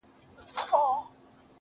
دا چا ويله چي باڼه چي په زړه بد لگيږي_